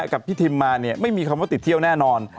กับพี่ทิมมาเนี่ยไม่มีคำว่าติดเที่ยวแน่นอน